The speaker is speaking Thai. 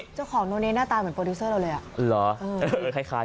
แล้วเจ้าของโรเนหน้าตาเหมือนโปรดิโสเซอร์เราเลย